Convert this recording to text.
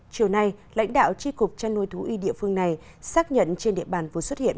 chiều nay lãnh đạo tri cục chăn nuôi thú y địa phương này xác nhận trên địa bàn vừa xuất hiện